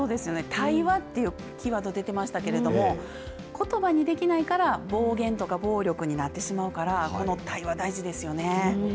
対話ってキーワードでていましたがことばにできないから暴言とが暴力になってしまうからこの対話、大事ですよね。